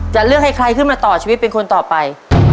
จะเลือกให้ใครขึ้นมาต่อชีวิตเป็นคนต่อไป